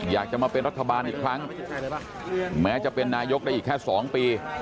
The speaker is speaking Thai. อยากจะมาเป็นรัฐบาลอีกครั้งแม้จะเป็นนายกได้อีกแค่๒ปี